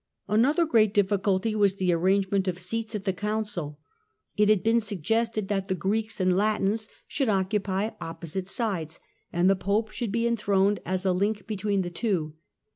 An other great difficulty was the arrangement of seats at the Council. It had been suggested that the Greeks and Latins should occupy opposite sides, and the Pope should be enthroned as a link between the two.